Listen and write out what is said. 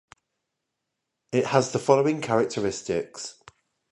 It has the following characteristics.